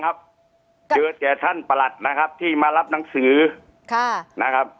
เจอแต่ท่านประหลัดนะครับที่มารับหนังสือค่ะนะครับ